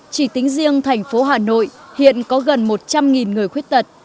chỉ tính riêng thành phố hà nội hiện có gần một trăm linh người khuyết tật